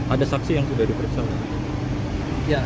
ada saksi yang sudah diperiksa oleh